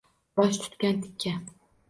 Bosh tutgan tikka